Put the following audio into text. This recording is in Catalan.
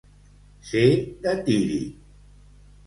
Ser de Tírig.